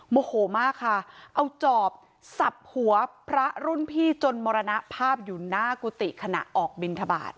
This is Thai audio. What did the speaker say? โมโหมากค่ะเอาจอบสับหัวพระรุ่นพี่จนมรณภาพอยู่หน้ากุฏิขณะออกบินทบาท